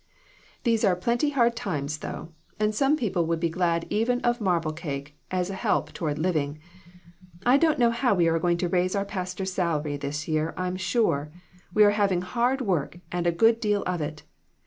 These are pretty hard times, though, and some people would be glad even of marble cake as a help toward living. I don't know how we are going to raise our pastor's sal ary this year, I'm sure; we are having hard work and a good deal of it.